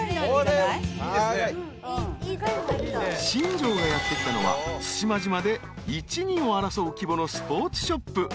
［新庄がやって来たのは対馬島で１・２を争う規模のスポーツショップ］